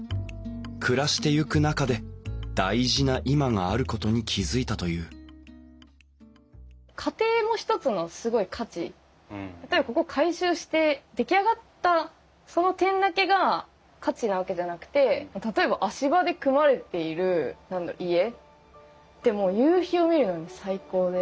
暮らしていく中で大事な今があることに気付いたという例えばここを改修して出来上がったその点だけが価値なわけじゃなくて例えば足場で組まれている家ってもう夕日を見るのに最高で。